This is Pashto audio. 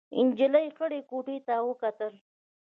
نجلۍ خړې کوټې ته وکتل.